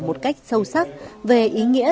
một cách sâu sắc về ý nghĩa